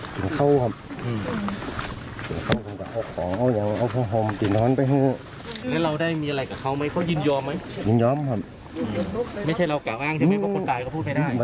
ทุกเรากินกันไม่ให้กลับหรือไงครับ